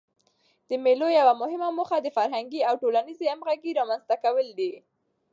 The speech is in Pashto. د مېلو یوه مهمه موخه د فرهنګي او ټولنیزي همږغۍ رامنځ ته کول دي.